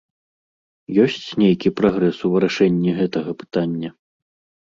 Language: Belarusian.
Ёсць нейкі прагрэс у вырашэнні гэтага пытання?